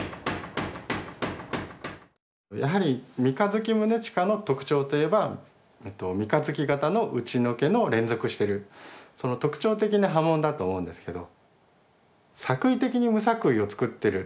やはり三日月宗近の特徴といえば三日月型の打除けの連続してるその特徴的な刃文だと思うんですけど。